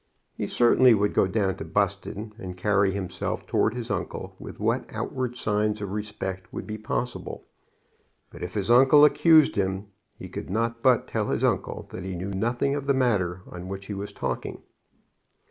He certainly would go down to Buston, and carry himself toward his uncle with what outward signs of respect would be possible. But if his uncle accused him, he could not but tell his uncle that he knew nothing of the matter of which he was talking.